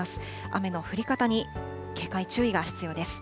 雨の降り方に警戒、注意が必要です。